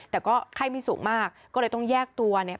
แต่ก็ไข้ไม่สูงมากก็เลยต้องแยกตัวเนี่ย